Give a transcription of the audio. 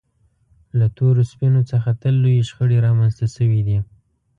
له تورو سپینو څخه تل لویې شخړې رامنځته شوې دي.